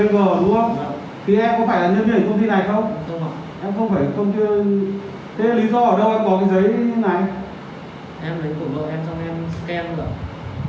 giấy đi đường ở đây